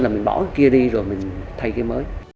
là mình bỏ cái kia đi rồi mình thay cái mới